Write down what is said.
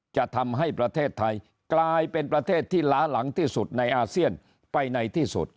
จะทำให้ประเทศไทยกลายเป็นประเทศที่ล้าหลังที่สุดในอาเซียนไปในที่สุด